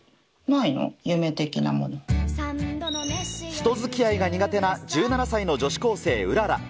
人づきあいが苦手な１７歳の女子高生、うらら。